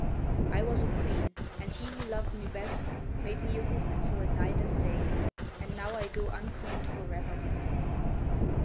I was a queen, and he who loved me best Made me a woman for a night and day, And now I go unqueened forevermore.